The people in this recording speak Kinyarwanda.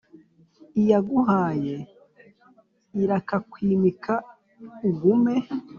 Iyaguhaye irakakwimika ugume.